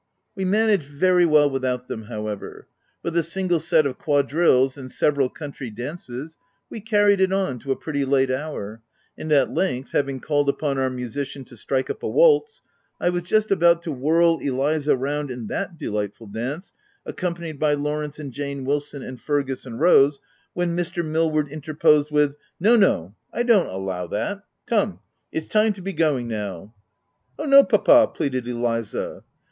We managed very well without them, how ever. With a single set of quadrilles, and several country dances, we carried it on to a pretty late hour ; and at length, having called upon our musician to strike up a w r altz, I was just about to whirl Eliza round in that delight ful dance, accompanied by Lawrence and Jane Wilson, and Fergus and Rose, when Mr. Mill ward interposed with, —" No, no, I don't allow that ! Come it's time to be going nowV u Oh, no, papa !" pleaded Eliza.